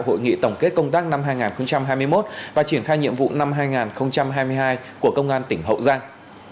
hội nghị tổng kết công tác năm hai nghìn hai mươi một và triển khai nhiệm vụ năm hai nghìn hai mươi hai của công an tỉnh hậu giang